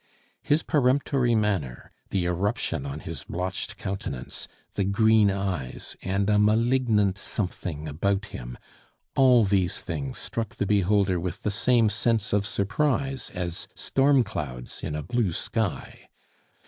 His peremptory manner, the eruption on his blotched countenance, the green eyes, and a malignant something about him, all these things struck the beholder with the same sense of surprise as storm clouds in a blue sky.